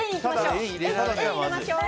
円に入れましょう！